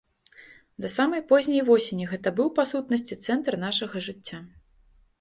Да самай позняй восені гэта быў, па-сутнасці, цэнтр нашага жыцця.